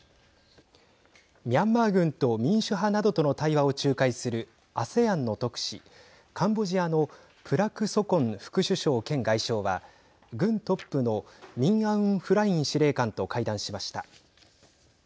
ミャンマー軍と民主派などとの対話を仲介するＡＳＥＡＮの特使、カンボジアのプラク・ソコン副首相兼外相は軍トップのミン・アウン・フライン司令官と会談しました。